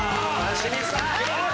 清水さん！